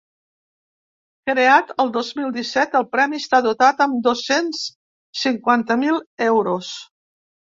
Creat el dos mil disset, el premi està dotat amb dos-cents cinquanta mil euros.